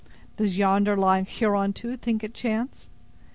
"Does yonder lying Huron, too, think it chance?